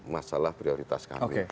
masalah prioritas kami